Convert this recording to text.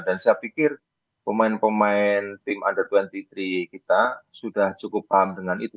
dan saya pikir pemain pemain tim under dua puluh tiga kita sudah cukup paham dengan itu